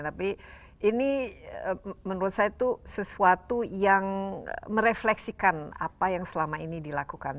tapi ini menurut saya itu sesuatu yang merefleksikan apa yang selama ini dilakukan